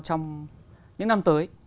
trong những năm tới